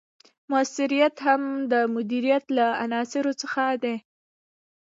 مؤثریت هم د مدیریت له عناصرو څخه دی.